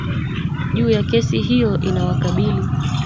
juu ya kesi hiyo inawakabili